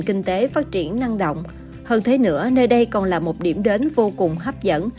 kinh tế phát triển năng động hơn thế nữa nơi đây còn là một điểm đến vô cùng hấp dẫn